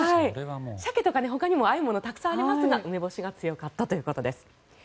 サケとか、ほかにも合うものはたくさんありますが梅干しが強かったということです。